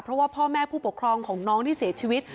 เพราะว่าพ่อแม่ผู้ปกครองของน้องที่เสียชีวิต